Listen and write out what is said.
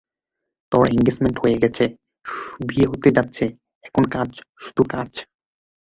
তোর এঙ্গেছমেন্ট হয়ে গেছে, বিয়ে হতে যাচ্ছে, এখন কাজ, শুধু কাজ।